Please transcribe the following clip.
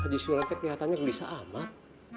haji sulantek kelihatannya gelisah amat